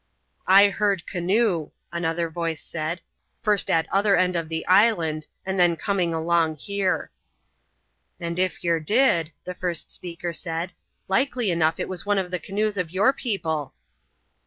"I heard canoe," another voice said, "first at other end of the island and then coming along here." "And ef yer did," the first speaker said, "likely enough it was one of the canoes of your people."